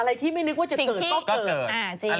อะไรที่ไม่นึกว่าจะเกิดก็เกิด